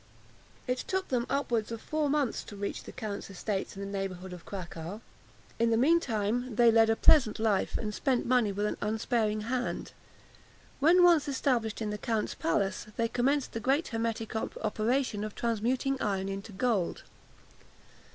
It took them upwards of four months to reach the count's estates in the neighbourhood of Cracow. In the mean time, they led a pleasant life, and spent money with an unsparing hand. When once established in the count's palace, they commenced the great hermetic operation of transmuting iron into gold.